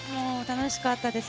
楽しかったです。